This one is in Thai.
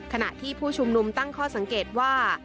ขณะที่ผู้ชุมนุมตั้งข้อสังเกตว่า